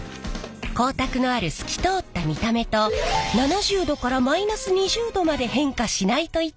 光沢のある透き通った見た目と７０℃から−２０℃まで変化しないといった特徴があります。